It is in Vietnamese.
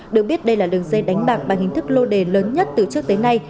được biết đây là đường dây đánh bạc bằng hình thức lô đề lớn nhất từ trước tới nay